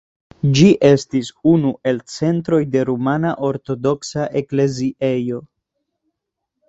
Ĝi estis unu el centroj de rumana ortodoksa ekleziejo.